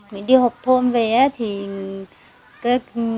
mình đi học thôn về